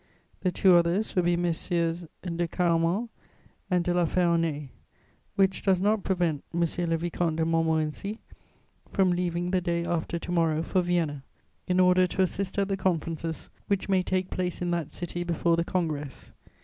The two others will be Messieurs de Caraman and de La Ferronnays; which does not prevent M. le Vicomte de Montmorency from leaving the day after to morrow for Vienna, in order to assist at the conferences which may take place in that city before the Congress.